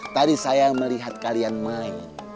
tadi saya melihat kalian main